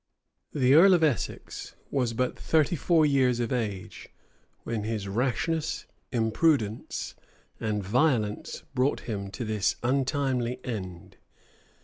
The earl of Essex was but thirty four years of age, when his rashness, imprudence, and violence brought him to this untimely end.